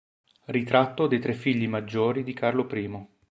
Ritratto dei tre figli maggiori di Carlo I